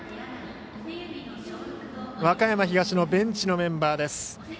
和歌山東のベンチのメンバーです。